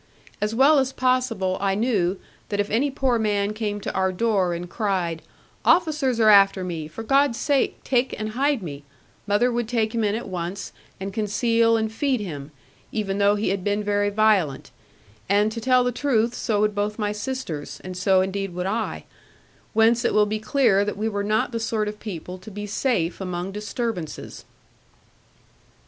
As well as possible I knew, that if any poor man came to our door, and cried, 'Officers are after me; for God's sake take and hide me,' mother would take him in at once, and conceal, and feed him, even though he had been very violent; and, to tell the truth, so would both my sisters, and so indeed would I do. Whence it will be clear that we were not the sort of people to be safe among disturbances.